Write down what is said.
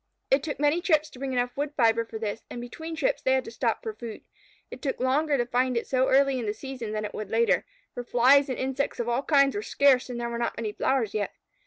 It took many trips to bring enough wood fibre for this, and between trips they had to stop for food. It took longer to find it so early in the season than it would later, for Flies and insects of all kinds were scarce and there were not many flowers yet.